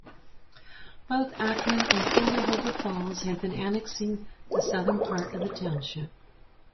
Both Akron and Cuyahoga Falls had been annexing the southern part of the township.